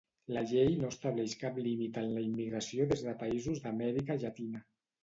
La Llei no estableix cap límit en la immigració des de països d'Amèrica Llatina.